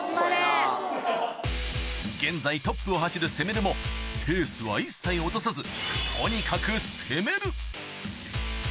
・現在トップを走るせめる。もペースは一切落とさずとにかくせめる。